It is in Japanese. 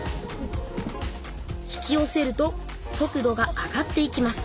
引きよせると速度が上がっていきます